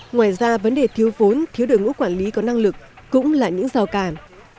ngoài ra vấn đề thiếu vốn thiếu đội ngũ quản lý có năng lực cũng là những rào càn